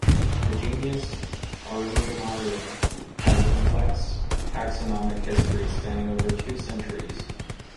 The genus "Arundinaria" has a complex taxonomic history spanning over two centuries.